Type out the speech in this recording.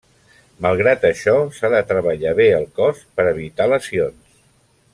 Malgrat això, s'ha de treballar bé el cos per evitar lesions.